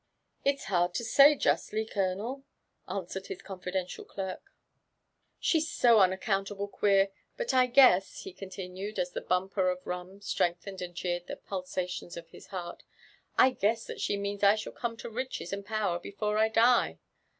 .*' It's hard to say justly, colonel," answered his confidential deilc, *' she's so unaccountable queer; but I guess," he continued, as the bumper of rum strengthened and cheered the pulsatiimsof his heart, —I guess that she means I shall come to riches and power before I die."